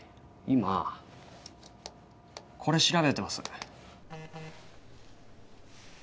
今これ調べてます。